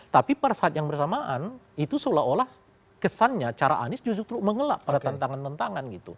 tapi pada saat yang bersamaan itu seolah olah kesannya cara anies justru mengelak pada tantangan tantangan gitu